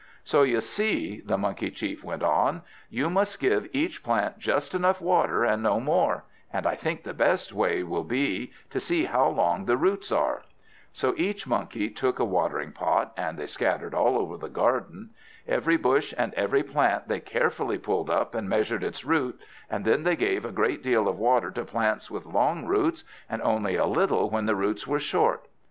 "So you see," the Monkey chief went on, "you must give each plant just enough water, and no more; and I think the best way will be, to see how long the roots are." So each Monkey took a watering pot, and they scattered all over the garden. Every bush and every plant they carefully pulled up, and measured its roots; and then they gave a great deal of water to plants with long roots, and only a little when the roots were short.